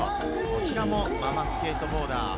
こちらもママスケートボーダー。